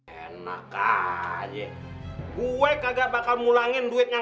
enak aja gue kagak bakal mulangin duit yang sepuluh juta